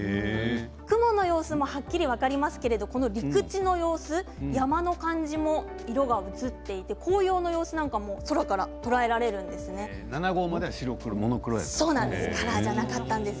雲の様子もはっきりと分かりますけれども、陸地の様子山の感じも色が映っていて、紅葉の様子なんかも空から７号までそうなんです。